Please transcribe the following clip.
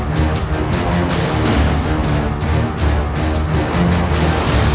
tapi saya memiliki kehidupan